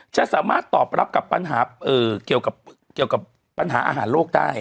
จะสามารถตอบรับกับปัญหาเกี่ยวกับปัญหาอาหารโลกได้